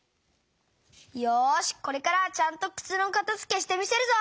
よしこれからはちゃんとくつのかたづけしてみせるぞ！